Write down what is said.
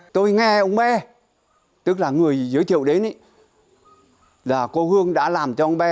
tôi nghe ông mê tức là người giới thiệu đến là cô hương đã làm cho ông bé